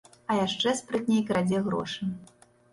А яшчэ спрытней крадзе грошы.